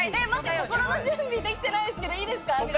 心の準備できてないですが、いいですか、皆さん。